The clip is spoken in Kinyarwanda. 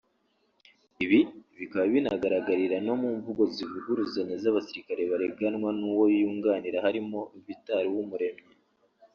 ibi bikaba binagaragarira no mu mvugo zivuguruzanya z’abasirikare bareganwa nuwo yunganira harimo Vital Uwumuremyi